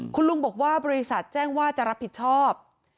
คุณลุงบอกว่าบริษัทแจ้งว่าจะรับผิดชอบ